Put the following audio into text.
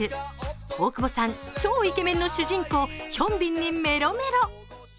大久保さん、超イケメンの主人公ヒョンビンにメロメロ。